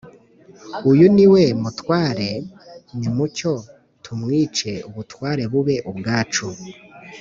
‘uyu ni we mutware, nimucyo tumwice ubutware bube ubwacu